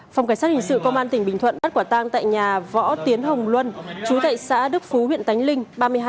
phòng cảnh sát hình sự công an tỉnh bình thuận bắt quả tang tại nhà võ tiến hồng luân chú tại xã đức phú huyện tánh linh